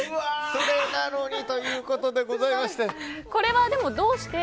それなのにということでございまして。